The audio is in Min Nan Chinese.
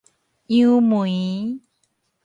楊梅